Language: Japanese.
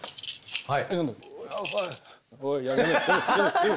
はい。